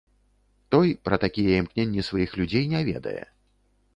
Той пра такія імкненні сваіх людзей не ведае.